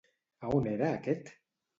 A on era aquest?